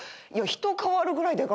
人変わるぐらいでかなってる。